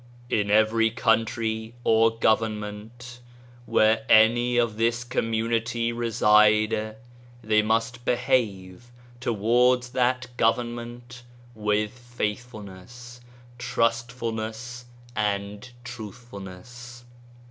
In every country or government where any of this community reside, they must behave towards that government with faithfulness, trust fulness, and truthfulness.